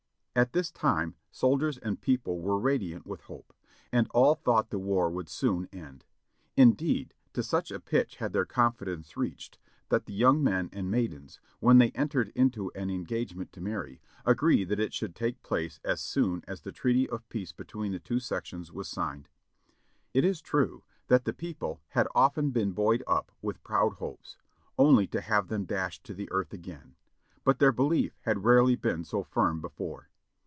At this time soldiers and people were radiant with hope, and all thought the war would soon end. Indeed, to such a pitch had their confidence reached, that the young men and maidens, when they entered into an engagement to marry, agreed that it should take place as soon as the treaty of peace between the two sections was signed. It is true that the people had often been buoyed up with proud hopes, only to have them dashed to the earth again, but their belief had rarely been so firm before.